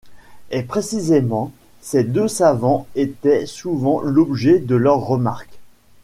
Et précisément ces deux savants étaient souvent l’objet de leurs remarques.